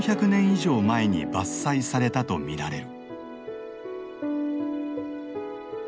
以上前に伐採されたとみられる。